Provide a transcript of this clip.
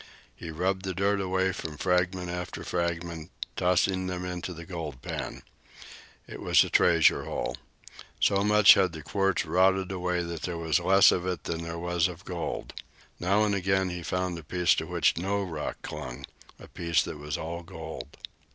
He rubbed the dirt away from fragment after fragment, tossing them into the gold pan. It was a treasure hole. So much had the quartz rotted away that there was less of it than there was of gold. Now and again he found a piece to which no rock clung a piece that was all gold.